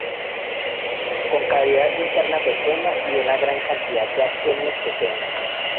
Con cavidad interna pequeña y una gran cantidad de aquenios pequeños.